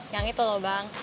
yang itu loh bang